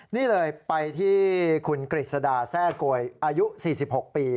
นี่เลยไปที่คุณกฤษดาแทร่โกยอายุ๔๖ปี